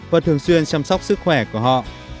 và thường xuyên chăm sóc sức khỏe của họ